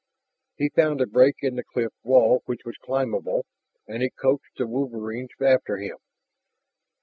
He found a break in the cliff wall which was climbable, and he coaxed the wolverines after him.